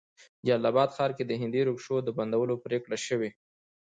جلال آباد ښار کې د هندي ريکشو د بندولو پريکړه شوې